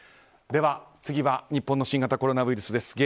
では、次は日本の新型コロナウイルスです。